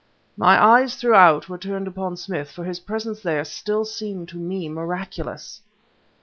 My eyes, throughout, were turned upon Smith, for his presence there, still seemed to me miraculous.